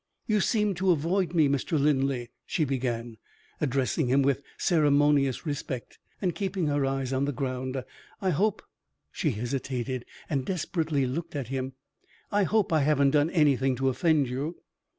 "You seem to avoid me, Mr. Linley," she began, addressing him with ceremonious respect, and keeping her eyes on the ground. "I hope " she hesitated, and desperately looked at him "I hope I haven't done anything to offend you?"